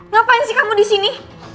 ngapain sih kamu disini